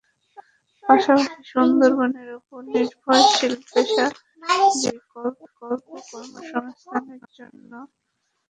পাশাপাশি সুন্দরবনের ওপর নির্ভরশীল পেশাজীবীদের বিকল্প কর্মসংস্থানের জন্য সুপারিশমালা প্রণয়নেরও সিদ্ধান্ত হয়।